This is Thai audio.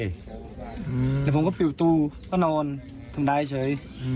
เดี๋ยวผมก็เปลี่ยวตูก็นอนทำได้เฉย